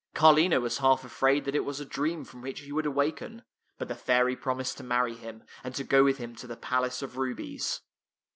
Carlino was half afraid that it was a dream from which he would awaken, but the [ 6 ] THE THREE LEMONS fairy promised to marry him, and to go with him to the Palace of Rubies.